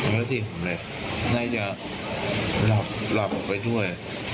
แล้วที่ผมเลยน่าจะหลับออกไปด้วย